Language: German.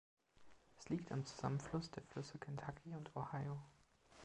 Es liegt am Zusammenfluss der Flüsse Kentucky und Ohio.